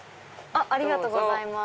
ありがとうございます。